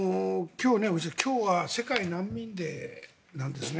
今日は世界難民デーなんですね。